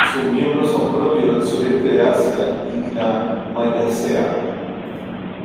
Sus miembros son propios del sureste de Asia y la Wallacea.